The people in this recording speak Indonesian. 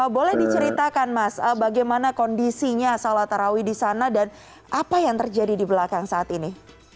boleh diceritakan mas bagaimana kondisinya salat tarawih di sana dan apa yang terjadi di belakang saat ini